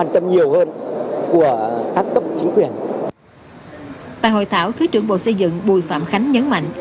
tại hội thảo thứ trưởng bộ xây dựng bùi phạm khánh nhấn mạnh